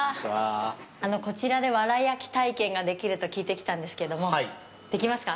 あのう、こちらで藁焼き体験ができると聞いて来たんですけども、できますか？